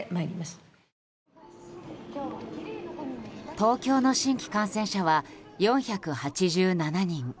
東京の新規感染者は４８７人。